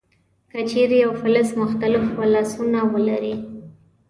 که چیرې یو فلز مختلف ولانسونه ولري.